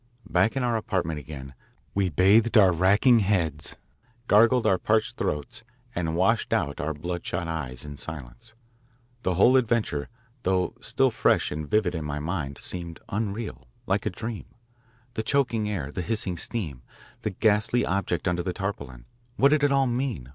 Back in our apartment again we bathed our racking heads, gargled our parched throats, and washed out our bloodshot eyes, in silence. The whole adventure, though still fresh and vivid in my mind, seemed unreal, like a dream. The choking air, the hissing steam, the ghastly object under the tarpaulin what did it all mean?